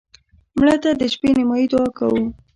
مړه ته د شپه نیمایي دعا کوو